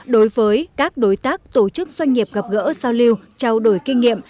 đối với các đối tác tổ chức doanh nghiệp gặp gỡ giao lưu trao đổi kinh nghiệm